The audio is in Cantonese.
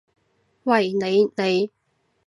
喂，你！你！